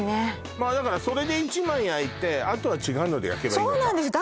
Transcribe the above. まあだからそれで１枚焼いてあとは違うので焼けばいいのかそうなんです